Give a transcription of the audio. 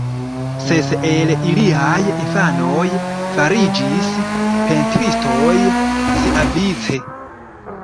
Ses el iliaj infanoj fariĝis pentristoj siavice.